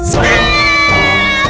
buruan pak rt